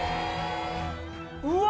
うわ！